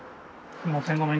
すいません。